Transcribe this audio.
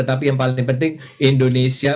tapi yang paling penting indonesia